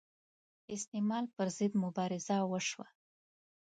استعمار پر ضد مبارزه وشوه